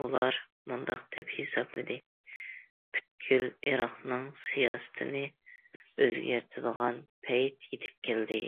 ئۇلار مۇنداق دەپ ھېسابلىدى: پۈتكۈل ئىراقنىڭ سىياسىتىنى ئۆزگەرتىدىغان پەيت يېتىپ كەلدى.